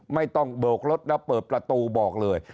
ไม่ต้องโบกรถแล้วเปิดประตูบอกเลย